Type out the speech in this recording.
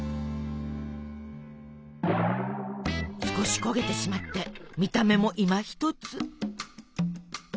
少し焦げてしまって見た目もいまひとつ。